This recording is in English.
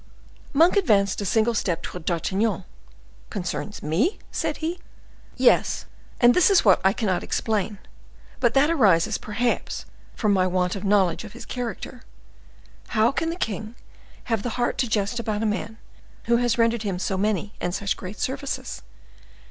Monk advanced a single step towards D'Artagnan. "Concerns me?" said he. "Yes, and this is what I cannot explain; but that arises, perhaps, from my want of knowledge of his character. How can the king have the heart to jest about a man who has rendered him so many and such great services?